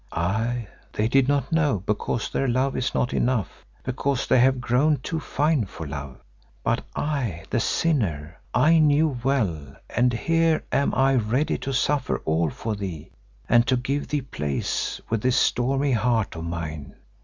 "Aye, they did not know because their love is not enough, because they have grown too fine for love. But I, the sinner, I knew well, and here am I ready to suffer all for thee and to give thee place within this stormy heart of mine.